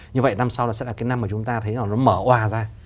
như vậy năm sau là sẽ là cái năm mà chúng ta thấy nó mở hoà ra